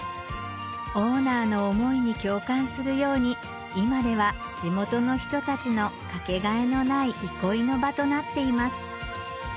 オーナーの思いに共感するように今では地元の人たちのかけがえのない憩いの場となっています